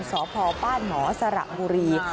สพบ้านหมอสระบุรี